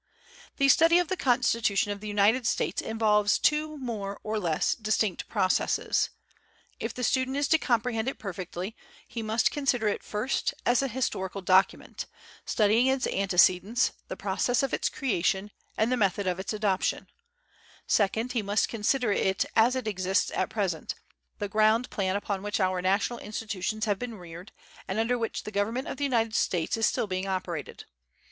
The study of the Constitution of the United States involves two more or less distinct processes. If the student is to comprehend it perfectly, he must consider it, first, as an historical document, studying its antecedents, the process of its creation, and the method of its adoption; second, he must consider it as it exists at present, the ground plan upon which our national institutions have been reared, and under which the Government of the United States is still being operated.